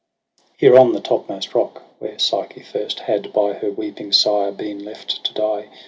There on the topmost rock, where Psyche first Had by her weeping sire been left to die.